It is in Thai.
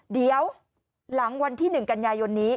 เดี๋ยวหลังวันที่๑กันยายนนี้